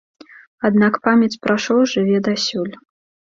Аднак памяць пра шоў жыве дасюль.